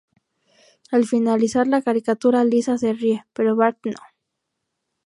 Al finalizar la caricatura Lisa se ríe, pero Bart no.